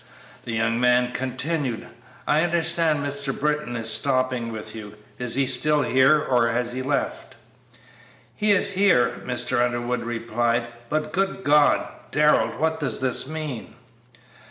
The young man continued: "I understand Mr. Britton is stopping with you; is he still here, or has he left?" "He is here," Mr. Underwood replied; "but, good God! Darrell, what does this mean?"